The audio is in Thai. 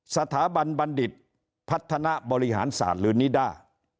สถาบันบัณฑิตพัฒนาบริหารศาสตร์หรือนิด้า